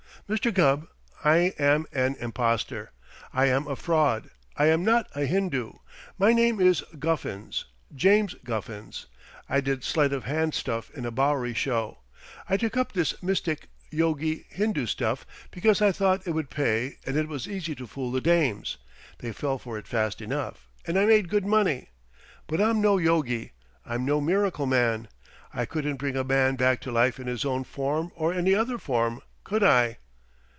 "Mr. Gubb, I am an impostor. I am a fraud. I am not a Hindoo. My name is Guffins, James Guffins. I did sleight of hand stuff in a Bowery show. I took up this mystic, yogi, Hindoo stuff because I thought it would pay and it was easy to fool the dames. They fell for it fast enough, and I made good money. But I'm no yogi. I'm no miracle man. I couldn't bring a man back to life in his own form or any other form, could I?"